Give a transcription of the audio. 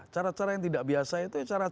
cara cara yang tidak biasa itu yang cara cara